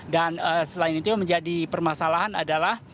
dan selain itu menjadi permasalahan adalah